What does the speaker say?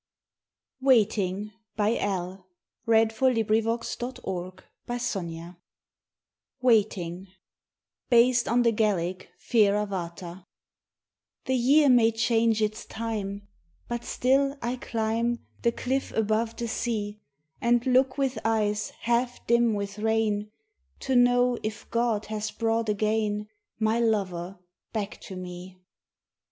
chaff for wheat, And sang their songs in vain. XVI WAITING BASED ON THE GAELIC FEAR A' BHÀTA THE year may change its time, But still I climb The cliff above the sea, And look with eyes half dim with rain, To know if God has brought again My lover back to me.